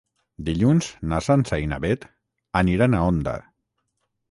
Dilluns na Sança i na Beth aniran a Onda.